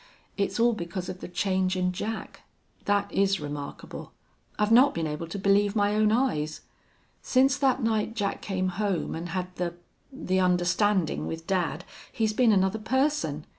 It's all because of the change in Jack. That is remarkable. I've not been able to believe my own eyes. Since that night Jack came home and had the the understanding with dad he has been another person.